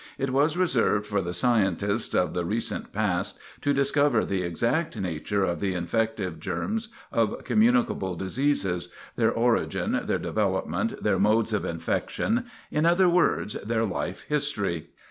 It was reserved for the scientists of the recent past to discover the exact nature of the infective germs of communicable diseases, their origin, their development, their modes of infection; in other words, their life history.